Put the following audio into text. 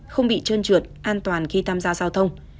không bị trơn trượt an toàn khi tham gia giao thông